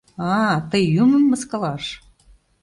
— А-а, тый юмым мыскылаш!..